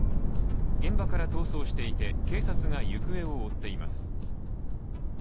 現場から逃走していて警察が行方を追っています。